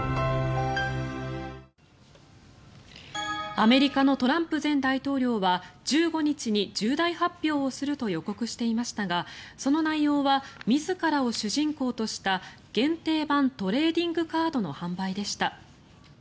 アメリカのトランプ前大統領は１５日に重大発表をすると予告していましたがその内容は自らを主人公とした限定版トレーディングカードの販売でした。